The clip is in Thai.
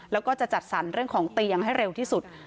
แล้วก็จะจัดสรรเรื่องของเตียงให้เร็วที่สุด